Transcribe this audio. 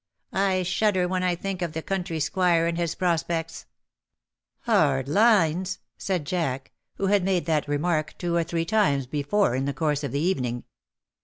I shudder when I think of the country squire and his prospects.^' *^Hard lines,^^ said Jack, who had made that remark two or three times before in the course of the evening.